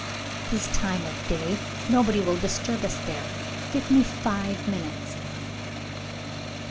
At this time of day, nobody will disturb us there. Give me five minutes!"